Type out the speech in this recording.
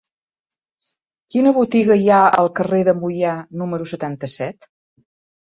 Quina botiga hi ha al carrer de Moià número setanta-set?